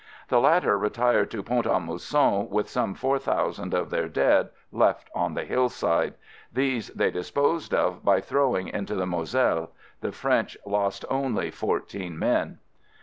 The latter retired to Pont a Mousson with some four thousand of their dead left on the hillside. These they disposed of by throwing into the Moselle. The French lost only fourteen men.